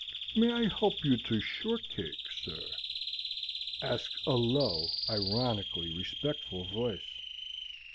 "May I help you to shortcake, sir?" asks a low, ironically respectful voice.